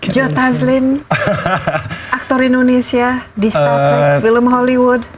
joe taslim aktor indonesia di star trek film hollywood